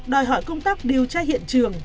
đòi hỏi công tác điều tra hiện trường